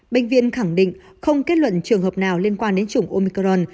bệnh viện khẳng định không kết luận trường hợp nào liên quan đến chủng omicron